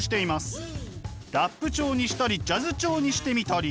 ラップ調にしたりジャズ調にしてみたり。